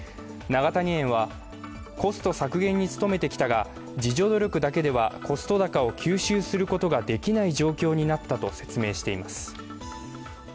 永谷園はコスト削減に努めてきたが自助努力だけではコスト高を吸収することができない状況になったと説明しています。